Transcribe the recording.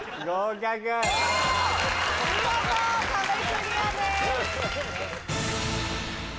見事壁クリアです。